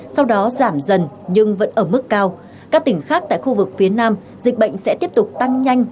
sau đó giảm dần nhưng vẫn ở mức cao các tỉnh khác tại khu vực phía nam dịch bệnh sẽ tiếp tục tăng nhanh